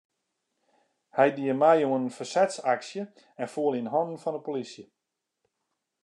Hy die mei oan in fersetsaksje en foel yn hannen fan de polysje.